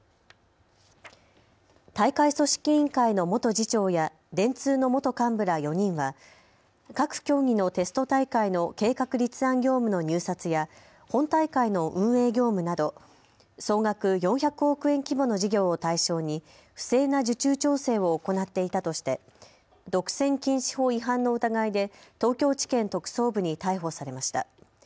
大会組織委員会の元次長や電通の元幹部ら４人は各競技のテスト大会の計画立案業務の入札や本大会の運営業務など総額４００億円規模の事業を対象に不正な受注調整を行っていたとして独占禁止法違反の疑いで東京地検特捜部に逮捕されました。